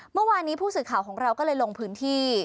เมื่อวานนี้ผู้สื่อข่าวของเราก็เลยลงพื้นที่